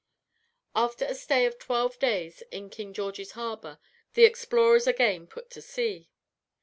After a stay of twelve days in King George's Harbour, the explorers again put to sea.